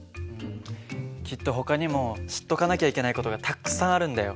きっとほかにも知っとかなきゃいけない事がたくさんあるんだよ。